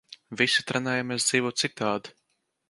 Visi trenējamies dzīvot citādi.